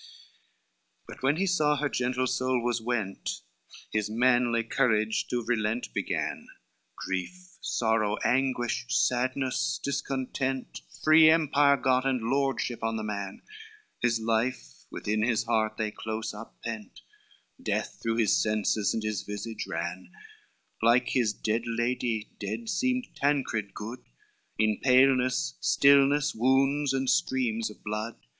LXX But when he saw her gentle soul was went, His manly courage to relent began, Grief, sorrow, anguish, sadness, discontent, Free empire got and lordship on the man, His life within his heart they close up pent, Death through his senses and his visage ran: Like his dead lady, dead seemed Tancred good, In paleness, stillness, wounds and streams of blood.